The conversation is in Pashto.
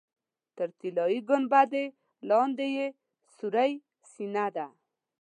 تر طلایي ګنبدې لاندې یې سورۍ سینه ده.